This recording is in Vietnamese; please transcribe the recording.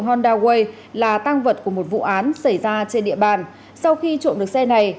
honda way là tăng vật của một vụ án xảy ra trên địa bàn sau khi trộm được xe này